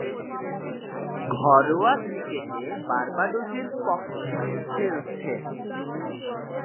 ঘরোয়া ক্রিকেটে বার্বাডোসের পক্ষে খেলছেন।